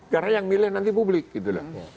karena yang milih nanti publik gitu